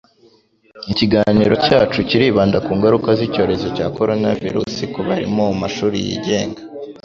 Ikiganiro cyacu kiribanda ku ngaruka z'icyorezo cya coronavirus ku barimu bo mu mashuri yigenga